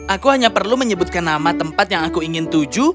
aku hanya perlu menyebutkan nama tempat yang aku ingin tuju